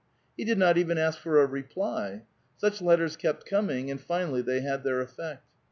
He did not even ask for a reply. Such letters kept coming ; and finally they had their effect.